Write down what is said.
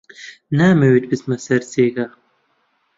نامەوێت بچمە سەر جێگا.